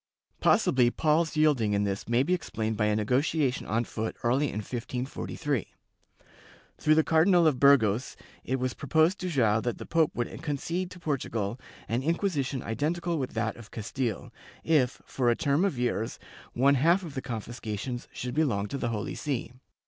^ Possibly Paul's yielding in this may be explained by a nego tiation on foot early in 1543. Through the Cardinal of Burgos, it was proposed to Joao that the pope would concede to Portugal an Inquisition identical with that of Castile, if, for a term of years, one half of the confiscations should belong to the Holy See.